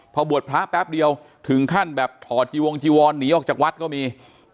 พอบวชพระแป๊บเดียวถึงขั้นแบบถอดจีวงจีวรหนีออกจากวัดก็มี